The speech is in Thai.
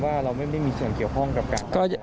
ว่าเราไม่ได้มีสิ่งเกี่ยวข้องกับการป้าแตน